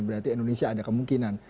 berarti indonesia ada kemungkinan